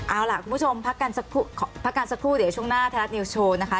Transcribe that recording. เอาล่ะคุณผู้ชมพักกันพักกันสักครู่เดี๋ยวช่วงหน้าไทยรัฐนิวส์โชว์นะคะ